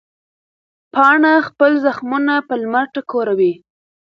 پاڼه خپل زخمونه په لمر ټکوروي.